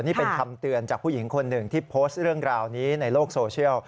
นี่เป็นคำเตือนจากผู้หญิงคนหนึ่งที่โพสต์เรื่องราวนี้ในโลกโซเชียล